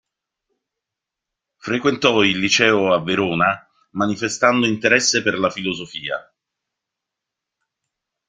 Frequentò il liceo a Verona, manifestando interesse per la filosofia.